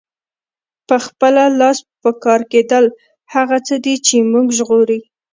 په خپله لاس پکار کیدل هغه څه دي چې مونږ ژغوري.